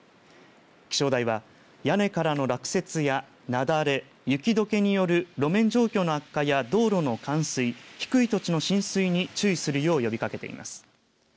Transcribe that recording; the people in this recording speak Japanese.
気象台は、屋根からの落雪や雪崩雪どけによる路面状況の悪化や道路の冠水低い土地の浸水に注意するよう呼び掛けています。